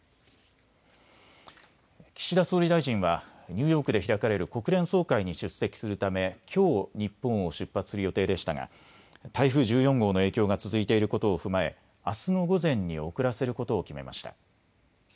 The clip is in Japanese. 岸田総理大臣はニューヨークで開かれる国連総会に出席するためきょう日本を出発する予定でしたが台風１４号の影響が続いていることを踏まえ、あすの午前に遅らせることを決めました。